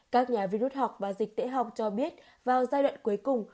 các nhà vi rút học và dịch tễ học cho biết vào giai đoạn cuối cùng